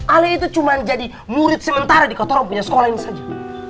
ala itu cuman jadi murid sementara di kotorom punya sekolah ini saja